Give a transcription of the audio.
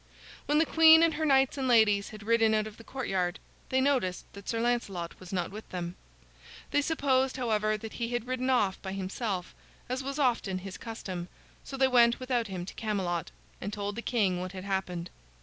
When the queen and her knights and ladies had ridden out of the courtyard, they noticed that Sir Lancelot was not with them. They supposed, however, that he had ridden off by himself, as was often his custom, so they went without him to Camelot, and told the king what had happened.